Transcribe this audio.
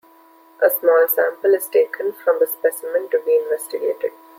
A small sample is taken from the specimen to be investigated.